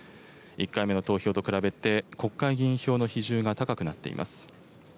１回目の投票と比べて、国会議員票の比重が高くなっています。